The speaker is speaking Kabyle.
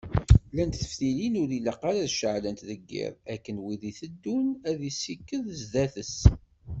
Llant teftilin ur ilaq ara ad ceɛlent deg yiḍ, akken win i d-iteddun ad isekked sdat-s.